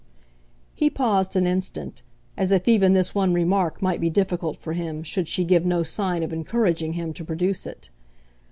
He paused an instant, as if even this one remark might be difficult for him should she give no sign of encouraging him to produce it.